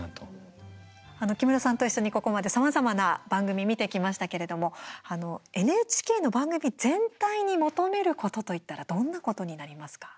木村さんと一緒にここまで、さまざまな番組見てきましたけれどもＮＨＫの番組全体に求めることといったらどんなことになりますか？